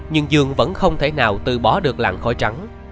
nhưng dương vẫn không thể nào từ bỏ được lạng khỏi trắng